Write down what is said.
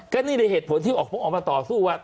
ก็นี่เลยเหตุผลที่ออกมาต่อสู้ว่า